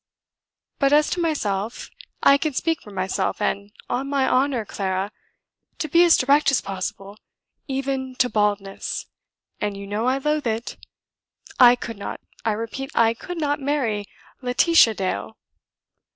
But as to myself I can speak for myself and, on my honour! Clara to be as direct as possible, even to baldness, and you know I loathe it I could not, I repeat, I could not marry Laetitia Dale!